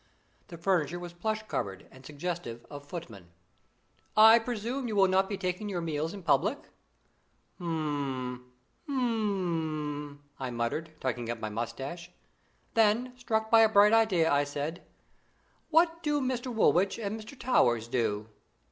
The furniture was plush covered and suggestive of footmen. "I presume you will not be taking your meals in public?" "H'm! H'm!" I muttered, tugging at my moustache. Then, struck by a bright idea, I said: "What do Mr. Woolwich and Mr. Towers do?"